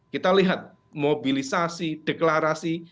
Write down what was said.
kita lihat mobilisasi deklarasi